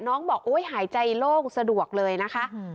น้องบอกโอ๊ยหายใจโล่งสะดวกเลยนะคะ